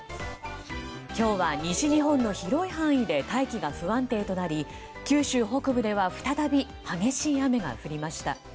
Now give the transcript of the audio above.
今日は西日本の広い範囲で大気が不安定となり九州北部では再び激しい雨が降りました。